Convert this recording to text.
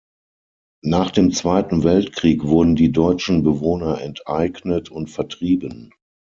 Nach dem Zweiten Weltkrieg wurden die deutschen Bewohner enteignet und vertrieben.